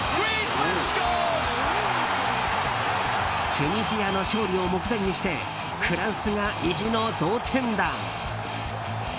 チュニジアの勝利を目前にしてフランスが意地の同点弾。